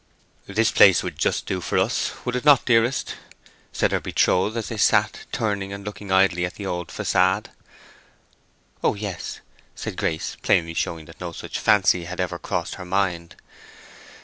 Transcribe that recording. "This place would just do for us, would it not, dearest," said her betrothed, as they sat, turning and looking idly at the old facade. "Oh yes," said Grace, plainly showing that no such fancy had ever crossed her mind.